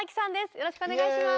よろしくお願いします。